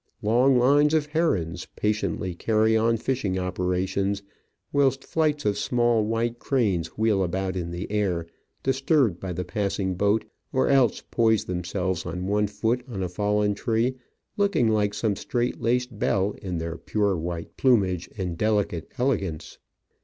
Long lines of herons patiently carry on fishing operations, whilst flights of small white cranes wheel about in the air, disturbed by the passing boat, or else poise them selves on one foot on a fallen tree, looking like some strait laced belle in their pure white plumage and delicate elegance.